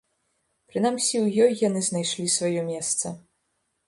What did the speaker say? Прынамсі, у ёй яны знайшлі сваё месца.